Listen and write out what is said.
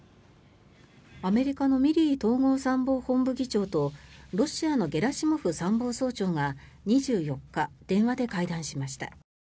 アメリカのミリー統合参謀本部議長とロシアのゲラシモフ参謀総長が２４日電話で会談しました。